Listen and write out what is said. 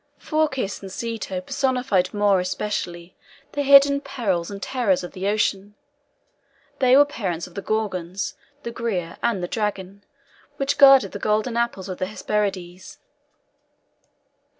Phorcys and Ceto personified more especially the hidden perils and terrors of the ocean. They were the parents of the Gorgons, the Græa, and the Dragon which guarded the golden apples of the Hesperides.